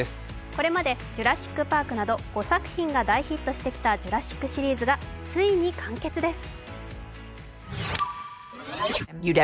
これまで「ジュラシック・パーク」など５作品がヒットしてきた「ジュラシック」シリーズがついに完結です。